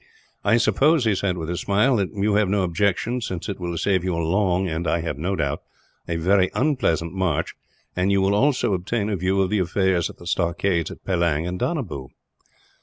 "I suppose," he said, with a smile, "that you have no objection, since it will save you a long and, I have no doubt, a very unpleasant march; and you will also obtain a view of the affairs at the stockades at Pellang and Donabew."